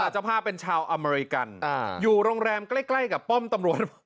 เจ้าภาพเป็นชาวอเมริกันอยู่โรงแรมใกล้ใกล้กับป้อมตำรวจ